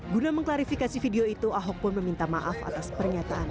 guna mengklarifikasi video itu ahok pun meminta maaf atas pernyataan